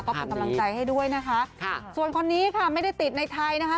ก็เป็นกำลังใจให้ด้วยนะคะค่ะส่วนคนนี้ค่ะไม่ได้ติดในไทยนะคะ